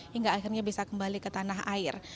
hingga akhirnya bisa kembali ke tanah air